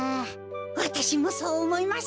わたしもそうおもいます。